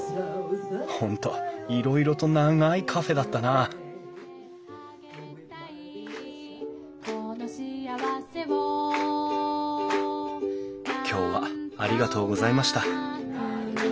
本当いろいろと長いカフェだったな今日はありがとうございました。